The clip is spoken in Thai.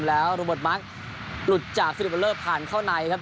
แล้วรุมบทหลุดจากผ่านเข้าในครับ